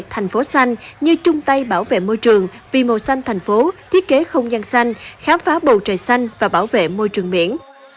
thành phố xanh như chung tay bảo vệ môi trường vì màu xanh thành phố thiết kế không gian xanh khám phá bầu trời xanh và bảo vệ môi trường biển